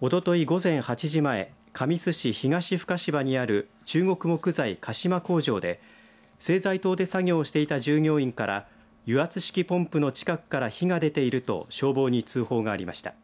おととい午前８時前神栖市東深芝にある中国木材鹿島工場で製材棟で作業していた従業員から油圧式ポンプの近くから火が出ていると消防に通報がありました。